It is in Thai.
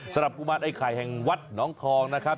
สำหรับกุมานไอไข่แห่งวัดนองทองนะครับ